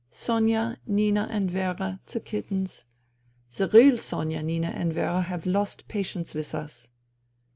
Sonia, Nina and Vera, the kittenl The real Sonia, Nina and Vera have lost patience with us."